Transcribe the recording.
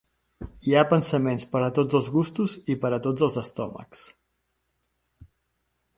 Hi ha pensaments per a tots els gustos i per a tots els estómacs.